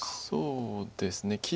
そうですね。